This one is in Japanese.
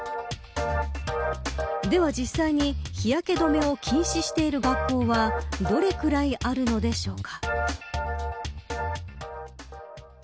では実際に日焼け止めを禁止している学校はどれくらいあるのでしょうか。